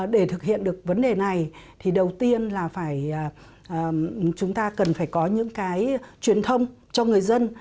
để thực hiện được vấn đề này thì đầu tiên là phải chúng ta cần phải có những cái truyền thông cho người dân